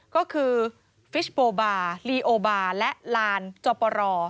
ก็คือฟิชโบบาร์ลีโอบาร์และลานจอปร